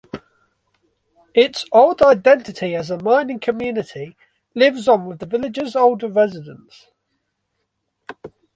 Its old identity as a "mining community" lives on with the village's older residents.